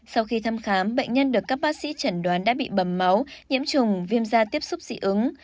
sau khi thăm khám bệnh nhân được các bác sĩ chẩn đoán đã bị bầm máu nhiễm trùng viêm da tiếp xúc dị ứng